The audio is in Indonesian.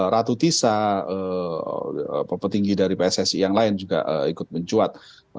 ratu tisa petinggi dari pssi yang lain juga ikut mencuat